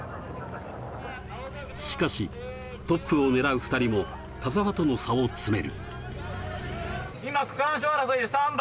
しかし、トップを狙う２人も田澤との差を詰める。